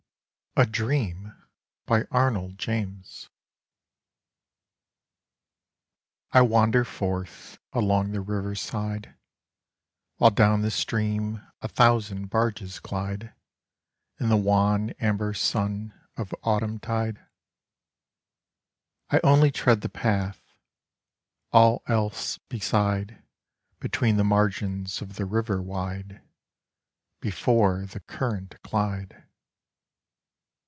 50 ARNOLD JAMES. A DREAM. I WANDER forth along the riverside While down the stream a thousand barges glide In the wan amber sun of autumntide. I only tread the path : all else beside Between the margins of the river wide Before the current glide.